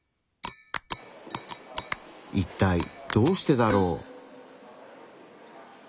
一体どうしてだろう？